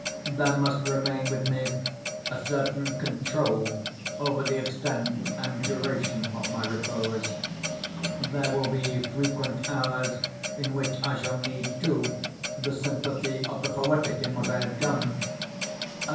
There must remain with me a certain control over the extent and duration of my repose. There will be frequent hours in which I shall need, too, the sympathy of the poetic in what I have done.